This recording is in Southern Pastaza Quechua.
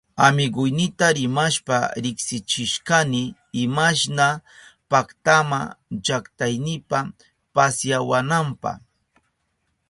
Amiguynita rimashpa riksichishkani imashna paktama llaktaynipa pasyawananpa.